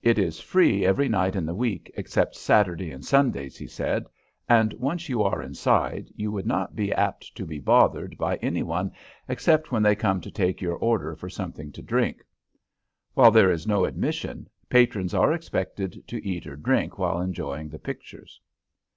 "It is free every night in the week except Saturdays and Sundays," he said, "and once you are inside you would not be apt to be bothered by any one except when they come to take your order for something to drink. While there is no admission, patrons are expected to eat or drink while enjoying the pictures."